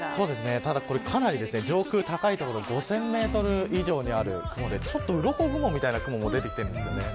ただこれかなり上空高いところ５０００メートル以上にある雲でうろこ雲みたいな雲も出てきていますね。